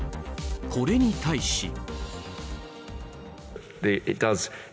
これに対し。